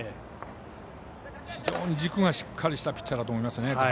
非常に軸がしっかりしたピッチャーだと思いますね。